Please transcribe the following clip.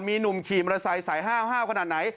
มีหนุ่มขี่มอเตอร์ไซค์สายห้าวขนาดไหน